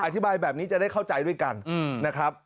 อธิบายแบบนี้จะได้เข้าใจด้วยกันนะครับ